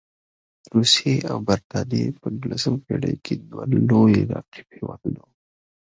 روسیې او برټانیې په نولسمه پېړۍ کې دوه لوی رقیب هېوادونه وو.